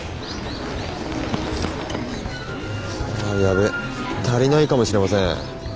あやべ足りないかもしれません。